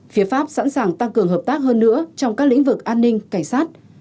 phía pháp sẵn sàng tăng cường hợp tác hơn nữa trong các lĩnh vực an ninh cảnh sát